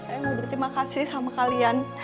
saya mau berterima kasih sama kalian